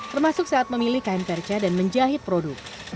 termasuk saat memilih kain perca dan menjahit produk